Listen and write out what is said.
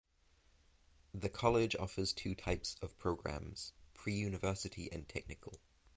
The college offers two types of programs: pre-university and technical.